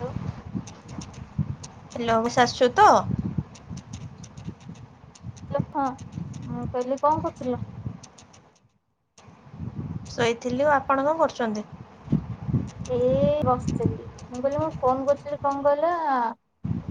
Hello hello ଆସୁଛ ତ hello ହଁଁ ମୁଁ କହିଲି କଣ କରୁଥିଲ ଶୋଇଥିଲି ଆପଣ କଣ କରୁଛନ୍ତି ଏ ବସିଥିଲି ମୁଁ କହିଲି ମୋର ଫୋନ୍ କରୁଥିଲି କଣ କହିଲ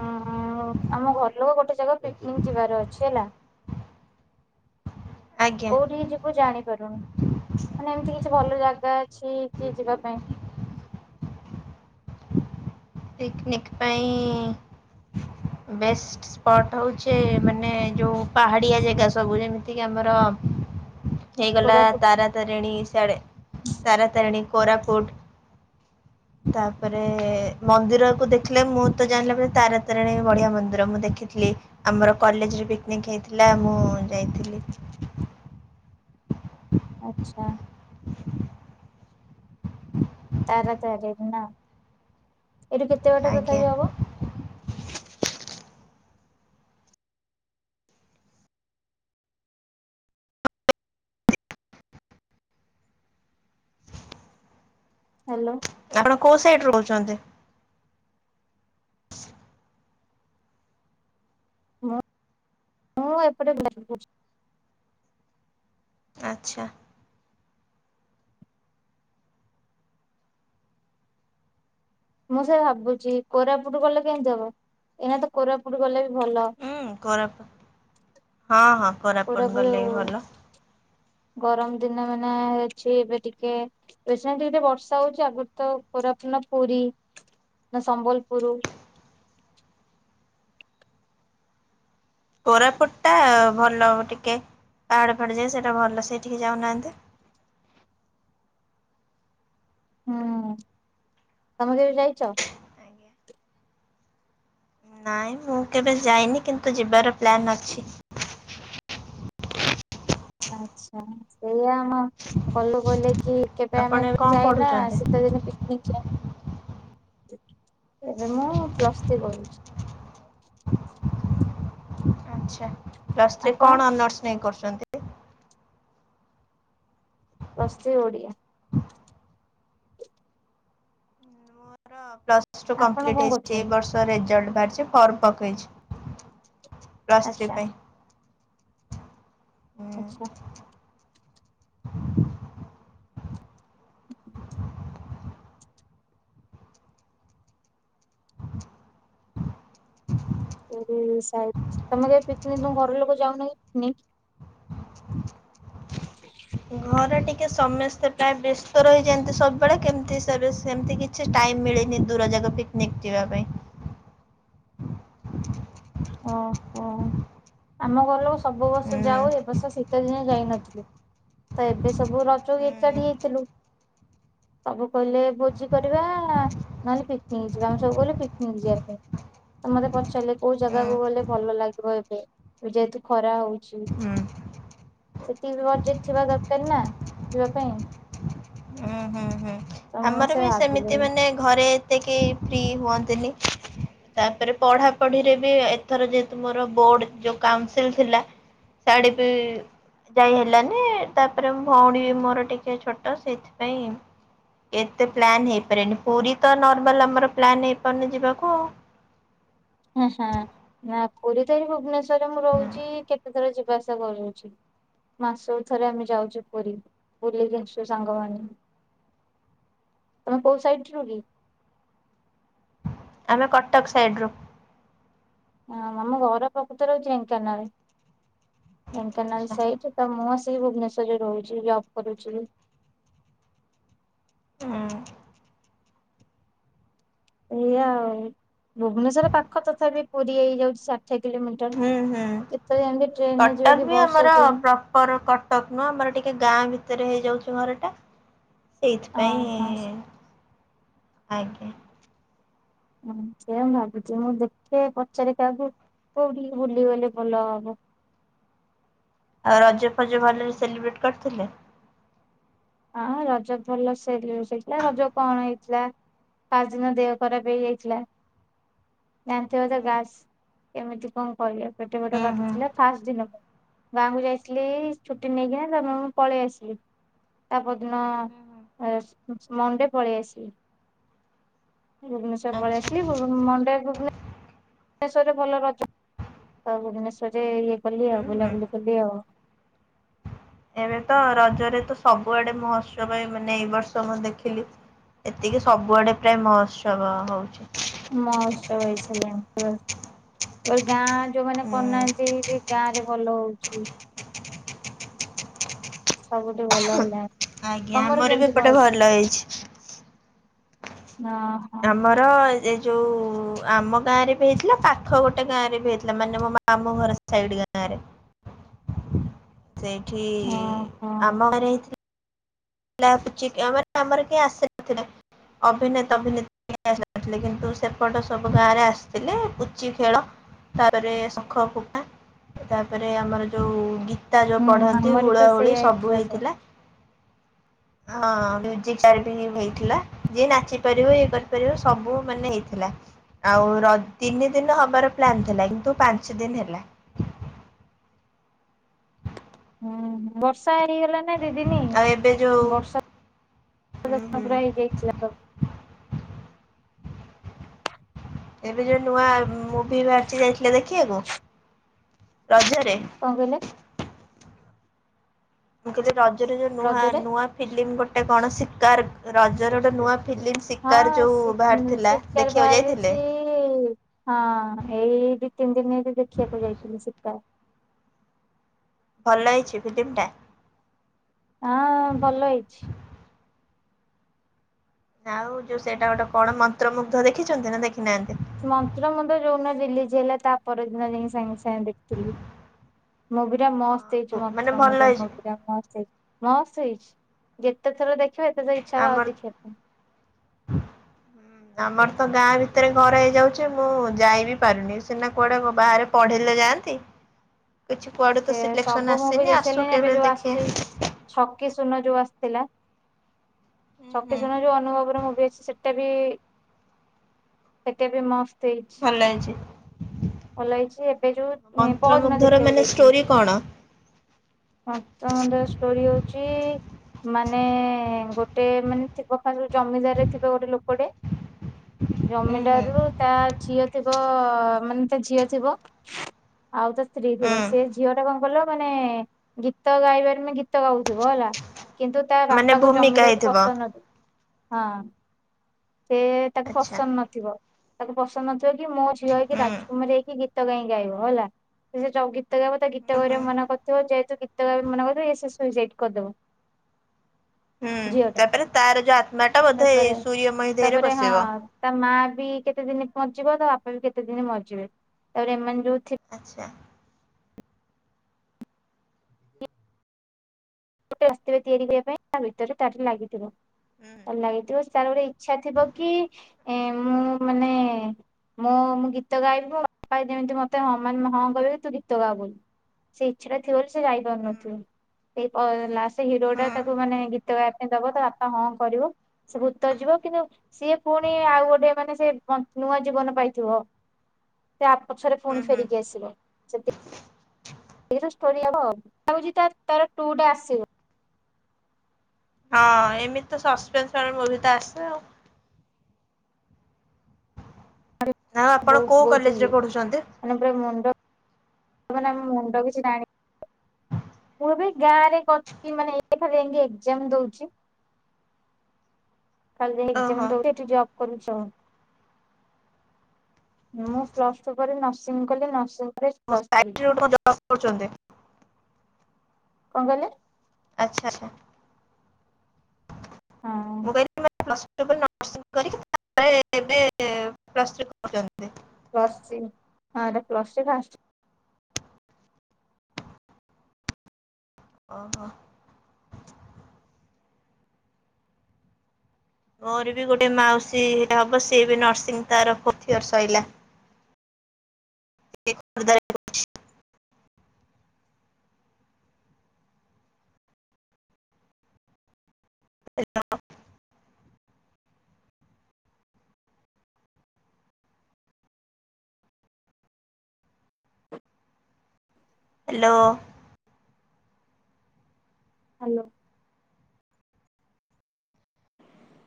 ଉଁ ଆମ ଘରଲୋକ ଗୋଟେ ଜାଗା ପିକିନିକ୍ ଯିବାର ଅଛି ହେଲା ଆଜ୍ଞା କୋଉଁଠିକି ଯିବୁ ଜାଣିପାରୁନି ମାନେ ଏମିତି କିଛି ଭଲ ଜାଗା ଅଛି କି ଯିବା ପାଇଁ ପିକିନିକ୍ ପାଇଁ ବେଷ୍ଟ ସ୍ପଟ୍ ହେଉଛି ମାନେ ଯୋଉ ପାହାଡ଼ିଆ ଜାଗା ସବୁ ଯେମିତି କି ଆମର ହେଇଗଲା କୋରାପୁଟ ତାରା ତାରିଣୀ ସିଆଡେ ତାରାତାରିଣୀ କୋରାପୁଟ ତାପରେ ମନ୍ଦିରକୁୁ ଦେଖିଲେ ମୁଁ ତ ଜାଣିଲି ପରେ ତାରା ତାରିଣୀ ବଢ଼ିଆ ମନ୍ଦିର ମୁଁ ଦେଖିଥିଲି ଆମର କଲେଜ୍ ରେ ପିକିନିକ୍ ହେଇଥିଲା ମୁଁ ଯାଇଥିଲି ହୁଁ ଆଛା ତାରା ତାରିଣୀ ନା ଏଇଠୁ କେତେ ବାଟ ଆଜ୍ଞା। ତଥାପି ହବ ହ୍ୟାଲୋ ଆପଣ କୋଉ ସାଇଡିରେ ରହୁଛନ୍ତି ହଁ ମୁଁ ଏପଟେ ବାଡ଼ି ପଛପଟେ ଆଚ୍ଛା ମୁଁ ସେଇଆ ଭାବୁଛି କୋରାପୁଟ୍ ଗଲେ କେମିତି ହବ ଏଇନା ତ କୋରାପୁଟ୍ ଗଲେ ବି ଭଲ ହୁଁ କୋରାପ ହଁ ହଁ କୋରାପୁଟ ପଡାକୁ ଗଲେ ବି ଭଲ। ଗରମ ଦିନ ମାନେ ଅଛି ଏବେ ଟିକେ ଏବେ ସିନା ଟିକେ ଟିକେ ବର୍ଷା ହେଉଛି ଆଗରୁ ତ ପୋରାପୁନ ପୁରୀ ନା ସମ୍ବଲପୁର କୋରାପୁଟ ଟା ଭଲ ଟିକେ ପାହାଡ଼ ଫାହାଡ ସେଇଟା ଭଲ ସେଇଟିକି ଯାଉନାହାନ୍ତି ହୁଁ ତମେ କେବେ ଯାଇଛ? ନାଇଁ ମୁଁ କେବେ ଯାଇନି କିନ୍ତୁ ଯିବାର ପ୍ଲାନ୍ ଅଛି। ଆଛା ସେଇଆ ଆମ ଘଲୁ କହିଲେ କି କେବେ ଆପଣ ଆମେ ଏବେ କଣ ଯାଇନା ପଢୁଛନ୍ତି? ଶୀତେଦିନେ ପି [unintelligible] ଏବେ ମୁଁ ପ୍ଲସ ଥ୍ରୀ କରୁଛି। ଆଛା ପ୍ଲସ ଥ୍ରୀ ଆପଣ କଣ ଅନର୍ଶ ନେଇ କରୁଛନ୍ତି? Plus three Odia. ମୋର ପ୍ଲସ୍ ଟୁ ଆପଣ କମ୍ପ୍ଲିଟ୍ କଣ ହେଇଛି ଏ କରୁଛନ୍ତି? ବର୍ଷ। ତ ରେଜଲ୍ଟ ବାହାରିଛି ଫର୍ମ ପକେଇଛି ପ୍ଲସ୍ ଥ୍ରୀ ଆଚ୍ଛା ପାଇଁ। ଆଚ୍ଛା। [inaudible] [unintelligible] ତମେ କେବେ ପିକନିକ ତମ ଘର ଲୋକ ଯାଉନା କି ପିକନିକ୍? [inaudible] [inaudible] ଘରେ ଟିକେ ସମସ୍ତେ ପ୍ରାୟ ବ୍ୟସ୍ତ ରହିଯାନ୍ତି ସବୁବେଳେ କେମିତି ସେବେ ସେମତି କି କିଛି ଟାଇମ୍ ମିଳେନି ଦୂର ଯାଗା ପିକନିକ୍ ଯିବା ପାଇଁ। ଓହୋ। ଆମ ଘର ଲୋକ ସବୁ ହୁଁ ବର୍ଷ ଯାଉ ଏ ବର୍ଷ ଶୀ ଶୀତ ଦିନ ଯାଇନଥିଲୁ ତ ଏବେ ସବୁ ରଜ କୁ ହୁଁ ହୁଁ ଏକାଠି ହେଇଥିଲୁ। ସବୁ କହିଲେ ହୁଁ ଭୋଜି କରିବା ନହେଲେ ପିକନିକ୍ ଜି ଯିବା ଆମେ ସବୁ କହିଲୁ ପିକନିକ୍ ଯିବା ପାଇଁ। ତ ମତେ ପଚାରିଲେ କୋଉ ଜାଗାକୁ ଗଲେ ଭଲ ଲାଗିବ ଏବେ? ଯେହେତୁ ଖରା ହଉଛି। ହୁଁ। ହୁଁ। ସେତିକି ବଜେଟ ଥିବା ଦରକାର ନା ଯିବା ପାଇଁ। ଉଁ ହୁଁ ହୁଁ। ତ ମୁଁ ଆମର ସେ ବି ଭାବିଲି ସେମିତି ମାନେ ଘରେ ଏତେ କିଏ ଫ୍ରି ହୁଅନ୍ତିନି। ତାପରେ ପଢା ପଢିରେ ବି ଏଥର ଯେହେତୁ ମୋର ବୋର୍ଡ ଯୋଉ କାଉନସିଲ ଥିଲା। ସିଆଡେ ବି ଯାଇ ହେଲାନି। ତାପରେ ଭଉଣୀ ବି ମୋର ଟିକେ ଛୋଟ ସେଇଥିପାଇଁ ଏତେ ପ୍ଲାନ୍ ହେଇପାରିବନି। ପୁରୀ ତ ନର୍ମାଲ ଆମର ପ୍ଲାନ୍ ହେଇପାରୁନି ଯିବାକୁ ଆଉ। ଉଁ ହୁଁ ନା ପୁରୀ ତ ଏଇ ଭୁବନେଶ୍ଵରରେ ମୁଁ ହୁଁ ରହୁଛି କେତେ ଥର ଯିବା ଆସିବା କରୁଛି। ମାସକୁ ଥରେ ଆମେ ଯାଉଛୁ ପୁରୀ ବୁଲିକି ଆସଛୁ ସାଙ୍ଗମାନେ। ତମେ କୋଉ ସାଇଡ ରୁ କି? ଆମେ କଟକ ସାଇଡ ରୁ। ହଁ ଆମ ଘର ପ୍ରକୃତରେ ହଉଛି ଢେଙ୍କାନାଳ। ଢେଙ୍କାନାଳ ଆଚ୍ଛା ସାଇଡ। ତ ମୁଁ ଆସିକି ଭୁବନେଶ୍ୱରରେ ରହୁଛି। ଜବ୍ କରୁଛି। ହୁଁ। ଏଇଆ ଆଉ। ଭୁବନେଶ୍ଵର ପାଖ ତଥାପି ପୁରୀ ହେଇଯାଉଛି ଚା ଠାଏ କିଲୋମିଟର। ହୁଁ ହୁଁ। କେତେବେଳେ କେମିତି ଟ୍ରେନରେ ଯାଇକି ବସ୍ ରେ ଯାଉ ଘର କଟକ ନୁଉଁ ଆମର ଟିକେ ଗାଁ ଭିତରେ ହେଇଯାଉଛି ଘର ଟା। ଓହୋ। ଏଇଥିପାଇଁ ଆଜ୍ଞା। ହଁ ସେଇଆ ମୁଁ ଭାବୁଛି ମୁଁ ଦେଖେ ପଚାରେ କାହାକୁ କୋଉଠିକି ବୁଲିଗଲେ ଭଲ ହବ। ଆଉ ରଜ ଫଜ ଭଲରେ ସେଲିବ୍ରେଟ କରିଥିଲେ? ହଁ ରଜ ଭଲ ସେଲିବ୍ରେସ ହେଇଥିଲା। ରଜ କଣ ହେଇଥିଲା ଫାଷ୍ଟ ଦିନ ଦେହ ଖରାପ ହେଇଯାଇଥିଲା। ଜାଣିଥିବ ତ ଗ୍ୟାସ କେମିତି କଣ କରିବା? ପେଟ ଫେଟ ହୁଁ ହୁଁ କାଟିୁଥିଲା ଫାଷ୍ଟ ଦିନ ପା। ଗାଁକୁ ଯାଇଥିଲି ଛୁଟି ନେଇକିଣା ତା ପର ମୁଁ ପଳେଇ ଆସିଲି। ତା ପରଦିନ ଆ ମଣ୍ଡେ ପଳେଇ ଆସିଲି। ଭୁବନେଶ୍ୱର ପଳେଇ ଆଚ୍ଛା ଆସିଲି। ମଣ୍ଡେ ଭୁବନେ ନେଶ୍ଵରରେ ଭଲ ରଜ ଆ ଭୁବନେଶ୍ଵରରେ ଏ କଲି ହୁଁ ଆଉ ହୁଁ। ବୁଲାବୁଲି କଲି ଆଉ। ଏବେ ତ ରଜରେ ତ ସବୁଆଡେ ମହୋତ୍ସବ ଏ ମାନେ ଏଇ ବର୍ଷ ମୁଁ ଦେଖିଲି। ଏତିକି ସବୁଆଡେ ପ୍ରାୟ ମହୋତ୍ସବ ହଉଛି। ମହୋତ୍ସବ ହେଇସାରିଲିଣି। ମୁଁ କହିଲି ଗାଁ ଯୋଉମାନେ ହୁଁ କରୁନାହନ୍ତି ବି ଗାଁ ରେ ଭଲ ହଉଛି। ସବୁଠି ଭଲ ହେଲା ନି। ଆଜ୍ଞା ଆମର ବି ଏପଟେ ଭଲ ହେଇଛି। ହଁ। ଆମର ଏଜ୍ ଯୋଉ ଆମ ଗାଁରେ ବି ହେଇଥିଲା ପାଖ ଗୋଟେ ଗାଁ ରେ ବି ହେଇଥିଲା ମାନେ ମୋ ମାମୁଁ ଘର ସାଇଡ ଗତ ଆଡେ। ହ ସେଇଠି ଆମ ଘରେଇ ଟି। ଲାଗୁଚି ଆମର ଆମର କେହି ଆସିନଥିଲେ ଅଭିନେତା ଅଭିନେତ ଥିଲେ କିନ୍ତୁ ସେପଟ ସବୁ ଗାଁ ରେ ଆସିଥିଲେ ପୁଚି ଖେଳ ତାପରେ ଶଙ୍ଖ ଫକା ତାପରେ ଆମର ଯୋଉ ଗୀତ ତା ଯୋଉ ହୁଁ ପଢନ୍ତି ଆମର ତ ହୁଳ ହୁଳି ସେଇଆ ସବୁ ହେଇଥିଲା। ହଁ ମ୍ୟୁଜିକ ଚେୟାର ବି ହେଇଥିଲା ଯିଏ ନାଚି ପାରିବ ଇଏ କରିପାରିବ ସବୁ ମାନେ ହେଇଥିଲା। ଆଉ ର ତିନି ଦିନ ହବାର ପ୍ଲାନ୍ ଥିଲା କିନ୍ତୁ ପାଞ୍ଚ ଦିନ ହେଲା। ହୁଁ ବର୍ଷା ହେଇଗଲା ନା ଦି ଦି ନୀ ଆଉ ଏବେ ଯୋଉ ବର୍ଷା ହୁଁ ସବୁ ହୁଁ ଭଲ ହେଇ ଯାଇଥିଲା ସବୁ। ଏବେ ଯୋଉ ନୂଆ ମୁଭି ବାହାରିଛି ଯାଇଥିଲେ ଦେଖିବାକୁ ରଜରେ? କଣ କହିଲେ? ମୁଁ କହିଲେ ରଜରେ ଯୋଉ ନୂଆ ରଜରେ? ନୂଆ ଫିଲ୍ମ ଗୋଟେ କଣ ଶିକାର ରଜର ଗୋଟେ ନୂଆ ଫିଲ୍ମ ଶିକାର ହଁ ଯୋଉ ବାହାରି ଥିଲା ଶୀତକାର ଦେଖିବାକୁ ବାହାରିଛି ଯାଇଥିଲେ? ହଁ ଏଇ ଦି ତିନି ଦିନ ଦେଖିବାକୁ ଯାଇଥିଲି ଶୀତା। ଭଲ ହେଇଛି ଫିଲ୍ମ ଟା? ଆ ଭଲ ହେଇଛି। ଆଉ ଯୋଉ ସେଇଟା ଗୋଟେ କଣ ମନ୍ତ୍ର ମୁୁଗ୍ଧ ଦେଖିଛନ୍ତି ନା ଦେଖିନାହାନ୍ତି? ମନ୍ତ୍ର ମୁଣ୍ଡ ଯୋଉଦିନ ରିଲିଜ ହେଲା ତା ପରଦିନ ଯାଇକି ସାଙ୍ଗେ ସାଙ୍ଗେ ଦେଖିଥିଲି। ମୁଭିଟା ମସ୍ତ ହଁ ହେଇଛି ମାନେ ମତ୍ର ଭଲ ମୁଣ୍ଡ। ହେଇଛି ମସ୍ତ ହେଇଛି ମସ୍ତ ହେଇଛି ଯେତେ ଥର ଦେଖିବ ସେତେ ଥର ଇଚ୍ଛା ହବ ଆଉ ଆମର ଦେଖିବା ପାଇଁ। [unintelligible] ଆମର ତ ଗାଁ ଭିତରେ ଘର ହେଇଯାଉଛି ମୁଁ ଯାଇ ବିି ପାରୁନି ସିନା କୁଆଡେ ବାହାରେ ପଢେଇିଲେ ଯାଆନ୍ତି। [unintelligible] ବଛିପୁଆଡ଼। ସେ ସବୁ ମୁଁଭି ଦେଖିଲିଣି ଏବେ ଯୋଉ ଆସିଛି। ଦେଖିବା। ଛକି ସୁୂନ ଯୋଉ ଆସିଥିଲା ହୁଁ ଛକି ହୁଁ ସୁୂନ ଯୋଉ ଅନୁଭବର ମୁଭି ଅଛି ଆସିଚି। ଏଟାବି ଏଟାବି କେତେ ବି ମସ୍ତ ହେଇଚି। ଭଲ ହେଇଚି। ଭଲ ହେଇଛି ଏବେ ଯୋଉ ପରଦିନ ଦେଖିବାକୁ ମାନେ ଯାଇଥିଲି। ଷ୍ଟୋରି କଣ? ମନ୍ତ୍ର ମୁଣ୍ଡ ର ଷ୍ଟୋରି ହଉଛି ମାନେ ଗୋଟେ ମାନେ ଥିବ ଫା ସବୁ ଜମିଦାରରେ ଥିବ ଗୋଟେ ଲୋକଟେ। ହୁଁ ହୁଁ ଜମିିଲାରୁୁ ତା ଝିଅ ଥିବ ମାନେ ତା ଝିଅ ଥିବ ଆଉ ତା ସ୍ତ୍ରୀ ଥିବ ହୁଁ। ସେ ଝିଅ ଟା କଣ କଲ ମାନେ ଗୀତ ଗାଇବାରେ ମାନେ ଗୀତ ଗାଉଥିବ ହେଲା। କିନ୍ତୁ ତା ମାନେ ବାପା କୁ ଜମି ଭୂମିକା ଦେଲେକୁ ହେଇଥିବ ପସାରୁ ନାନ୍ତି ହଁ। ସେ ତାକୁ ଆଚ୍ଛା ପସନ୍ଦ ନଥିବ ତାକୁ ପସନ୍ଦ ନଥିବ କି ମୋ ଝିଅ ହେଇକି ହୁଁ। ରାଜକୁମାରୀ ହେଇକି ଗୀ ଗୀତ କାଇଁ ଗାଇବ ହେଲା ସେ ଗୀତ ଗାଇବ ତ ହୁଁ ଗୀତ ହୁଁ ଗ ମନ କ ତ ଯେହେତୁ ଗୀତ ଗାଇବାକୁ ମନା କରିଦବ ଏ ସିଏ ସୁଇସାଇଡ୍ କରିଦବ। ହୁଁ ଝିଅ ଟା ତାପରେ ତାର ଯୋଉ ଆତ୍ମା ଟା ବୋଧେ ତାପରେ ଏଇ ସୂର୍ଯ୍ୟ ମହିଦେହରେ ତାପରେ ହଁ ପଶିବ। ତା ମା ବି କେତେ ଦିନ ମଞ୍ଚିବ ତା ବାପା ବି କେତେ ଦିନ ମଞ୍ଚିବେ ତାପରେ ଏମାନେ ଯୋଉ ଆଚ୍ଛା। ଗୋଟେ ଆସିିବ ତିଆରି କରିବା ପାଇଁ ତା ଭିତରେ ତାଠି ଲାଗିଥିବ ହୁଁ। ତାର ଲାଗିଥିବ। ତାର୍ ଗୋଟେ ଇଚ୍ଛା ଥିବ କି ମୁଁ ମାନେ ମୁଁ ମୁଁ ଗୀତ ଗାଇବି ବାପ ଯେମିତି ମତେ ହଁ ମାନେ ହଁ କହିବେ ତୁ ଗୀତ ଗା ବୋଲି। ସେ ଇଛାଟା ଥିବ ବୋଲି ସେ ହୁଁ ଯାଇପାରୁନଥିବ। ଓ ଲାଷ୍ଟ ହିରୋ ଟା ହୁଁ ତାକୁ ମାନେ ଗୀତ ଗାଇବା ପାଇଁ ଦବ ତ ବାପା ହଁ କରିବ। ସେ ଭୂତ ଜୀବ କିନ୍ତୁ ସିଏ ପୁଣି ଆଉ ଗୋଟେ ମାନେ ସେ ନୂଆ ଜୀବନ ପାଇଥିବ। ସେ ଆ ପଛରେ ହୁଁ ପୁଣି ହୁଁ ଫେରିକି ଆସିବ। ଏଇରା ଷ୍ଟୋରି ହବ ଲାଗୁଚି ତାର ଟୁ ଡେ ଆସିବ। ହଁ ଏମିତି ତ ସସ୍ପେନ୍ସ ମୁଁ ଭିତ ଆସେ ଆଉ। ଆଉ ଆପଣ ବହୁତ କୋଉ ବହୁତ କଲେଜ ରେ ଇଏ ପଢୁଛନ୍ତି? ମାନେ ପୁରା ମୁଣ୍ଡ ମାନେ ଆମ ମୁଣ୍ଡ କିଛି ନାଇଁ। ମୁଁ ଏ ବି ଗାଁରେ କରୁଚି ମାନେ ଏଠାରେ ଏମିତି ଏଜାମ ଦଉଛି। କାଲି ଏକ୍ଜାମ ଓହୋ ଦଉଚି ଯେ ଏଠୁ ଜବ୍‌ କରୁଛ। ମୁଁ ପ୍ଲସ ଟୁ ପରେ ନର୍ସିଂ କଲି ନର୍ସିଂ ପରେ ମୋ ପ୍ଲସ ଥ୍ରୀ ସାଇଟ ରୁ [unintelligible] କଣ କହିଲେ? ଆଚ୍ଛା ଆଚ୍ଛା। ହଁ ମୁଁ [unintelligible] ପ୍ଲସ୍ ଟୁ ପରେ ନର୍ସିଂ କରିକି ତାପରେ ଏବେ ପ୍ଲସ୍ ଥ୍ରୀ କରୁଛନ୍ତି। ପ୍ଲସ୍ ଥ୍ରୀ ହଁ ଏଟା ପ୍ଲସ୍ ଥ୍ରୀ ଫାଷ୍ଟ ଓହୋ। ମୋର ବି ଗୋଟେ ମାଉସୀ ହବ ସିଏ ବି ନର୍ସିଂ ତାର ପୋଥିଅର ସଇଲା। [unintelligible] ହ୍ୟାଲୋ। ହ୍ୟାଲୋ। ହ୍ୟାଲୋ।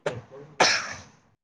ଆ